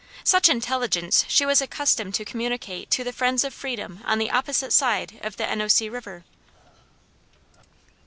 Such intelligence she was accustomed to communicate to the friends of freedom on the opposite side of the Ennosee river.